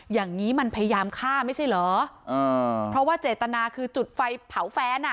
อย่างนี้มันพยายามฆ่าไม่ใช่เหรออ่าเพราะว่าเจตนาคือจุดไฟเผาแฟนอ่ะ